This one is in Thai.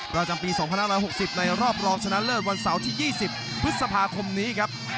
ประจำปี๒๕๖๐ในรอบรองชนะเลิศวันเสาร์ที่๒๐พฤษภาคมนี้ครับ